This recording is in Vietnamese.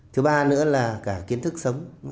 thứ ba nữa là cả kiến thức sống